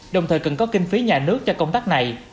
đồng thời cần có kinh phí nhà nước cho công tác này